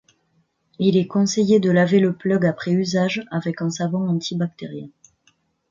Il est conseillé de laver le plug après usage avec un savon anti-bactérien.